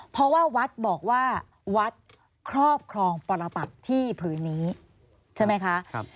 เพราะว่าวัดบอกว่าวัดครอบครองปรปักที่ผืนนี้ใช่ไหมคะ